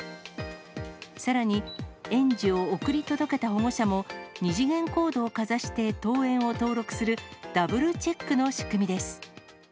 さらに、園児を送り届けた保護者も、二次元コードをかざして登園を登録する、ダブルチェックの仕組みです。